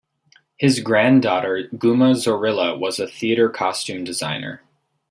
His granddaughter Guma Zorrilla was a theater costume designer.